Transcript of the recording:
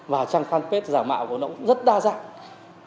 và trang fanpage giả mạo của nó cũng rất đa dạng